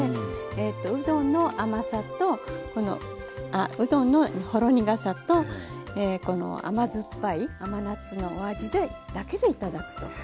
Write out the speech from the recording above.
ええとうどの甘さとうどのほろ苦さとこの甘酸っぱい甘夏のお味でだけで頂くと。